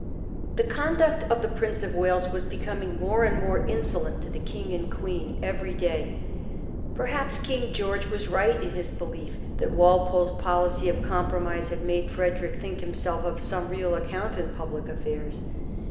THE«conduct of the Prince of Wales was becoming more and more insolent to the King and Queen every day. Perhaps King George was right in his belief that Walpole's policy of compromise had made Frederick think himself of some real account in public affairs.